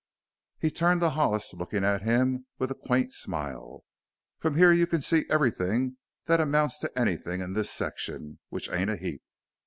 He turned to Hollis, looking at him with a quaint smile. "From here you can see everything that amounts to anything in this section which ain't a heap.